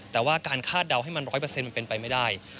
แต่ว่าการคาดเดาให้มันร้อยเปอร์เซ็นต์มันเป็นไปไม่ได้